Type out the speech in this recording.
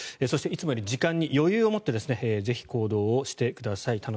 そしていつもより時間に余裕をもってぜひ、行動をしてください。